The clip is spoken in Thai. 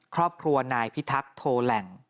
ครอบครัวนายพิทักษ์โทแหล่ง